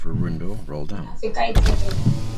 حنا ڦڪائي تي پئي.